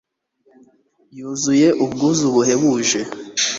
Yuzuye ubwuzu buhebuje